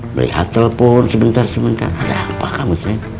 melihat telepon sebentar sebentar ada apa kamu ceng